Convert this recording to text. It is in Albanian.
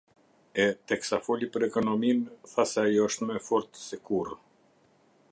E, teksa foli për ekonominë, tha se ajo është më e fortë së kurrë.